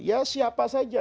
ya siapa saja